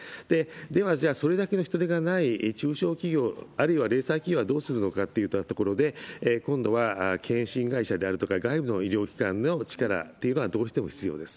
では、じゃあ、それだけの人手がない中小企業、零細企業はどうするのかといったところで、今度は健診会社であるとか外部の医療機関の力っていうのはどうしても必要です。